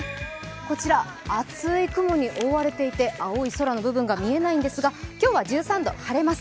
こちら厚い雲に覆われていて青い空の部分が見えないんですが今日は１３度、晴れます。